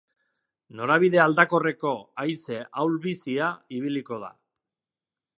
Norabide aldakorreko haize ahul-bizia ibiliko da.